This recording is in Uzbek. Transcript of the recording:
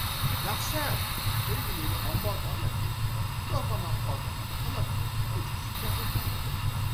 Dahshat! Sergelida ombor portlab ketdi. Korxona xodimi halok bo‘ldi, uch kishi kasalxonada